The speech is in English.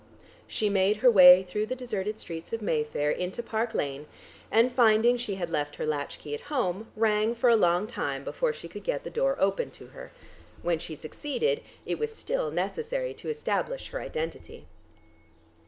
She made her way through the deserted streets of Mayfair into Park Lane, and finding she had left her latch key at home, rang for a long time before she could get the door opened to her. When she succeeded it was still necessary to establish her identity....